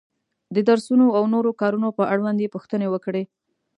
د درسونو او نورو کارونو په اړوند یې پوښتنې وکړې.